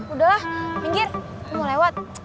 udah minggir aku mau lewat